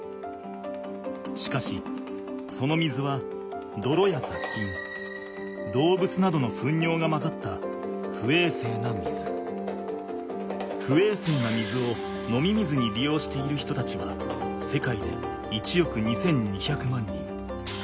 しかしその水はどろや雑菌動物などのふんにょうがまざった不衛生な水を飲み水に利用している人たちは世界で１億２，２００万人。